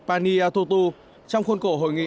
paniyatotu trong khuôn cổ hội nghị